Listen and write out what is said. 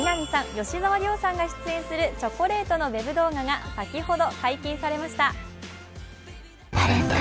吉沢亮さんが出演するチョコレートのウェブ動画が先ほど解禁されました。